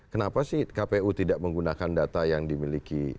kenapa sih kpu tidak menggunakan data yang dimiliki